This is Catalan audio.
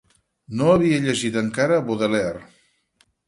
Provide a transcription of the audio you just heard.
No havia llegit encara Baudelaire.